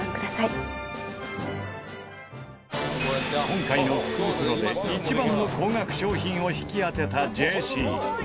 今回の福袋で一番の高額商品を引き当てたジェシー。